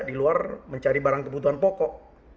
di luar mencari barang kebutuhan pokok